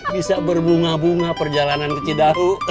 bisa berbunga bunga perjalanan ke cidahu